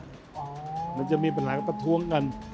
เราจะมีปัญหาการประถวงกัน